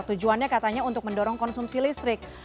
tujuannya katanya untuk mendorong konsumsi listrik